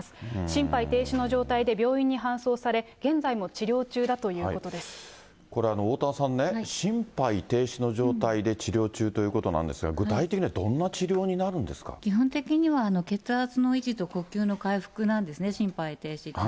心肺停止の状態で病院に搬送され、これ、おおたわさんね、心肺停止の状態で治療中ということなんですが、具体的にはどんな治療基本的には血圧の維持と呼吸の回復なんですね、心肺停止って。